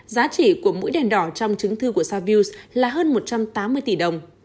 giá trị của mũi đèn đỏ trong chứng thư của savils là hơn một trăm tám mươi tỷ đồng